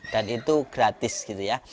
dan itu gratis gitu ya